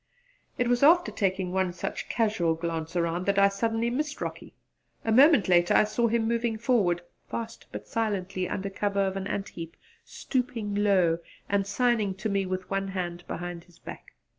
It was after taking one such casual glance around that I suddenly missed Rocky: a moment later I saw him moving forward, fast but silently, under cover of an ant heap stooping low and signing to me with one hand behind his back.